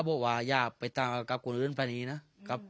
ผมก็อยากฝากบอกว่าอย่าไปตามกับคนอื่นแบบนี้นะ